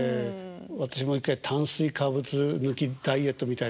私も一回炭水化物抜きダイエットみたいのをやってたら。